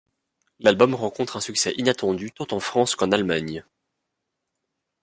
L'album rencontre un succès inattendu, tant en France qu'en Allemagne.